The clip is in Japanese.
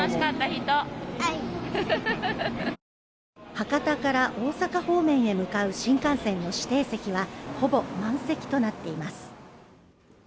博多から大阪方面へ向かう新幹線の指定席はほぼ満席となっています。